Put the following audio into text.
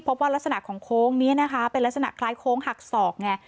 ลักษณะของโค้งนี้นะคะเป็นลักษณะคล้ายโค้งหักศอกไง